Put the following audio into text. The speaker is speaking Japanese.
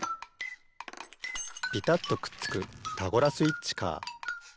ピタッとくっつくタゴラスイッチカー。